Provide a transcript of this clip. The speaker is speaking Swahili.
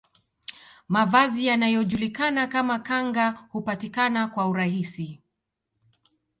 Mavazi yanayojulikana kama kanga hupatikana kwa urahisi